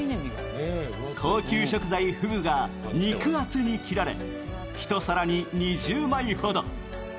高級食材・ふぐが肉厚に切られ１皿に２０枚ほど。